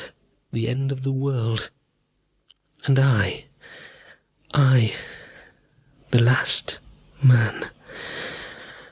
The end of the world. And I I, the last man....